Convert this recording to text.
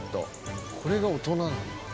これが大人なの？